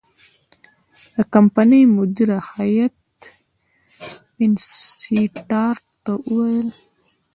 د کمپنۍ مدیره هیات وینسیټارټ ته وویل.